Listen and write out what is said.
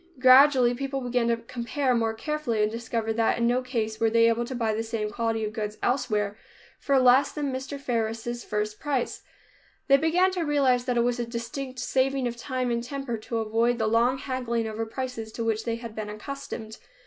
Gradually people began to compare more carefully and discovered that in no case were they able to buy the same quality of goods elsewhere for less than Mr. Faris' first price. They began to realize that it was a distinct saving of time and temper to avoid the long haggling over prices to which they had been accustomed.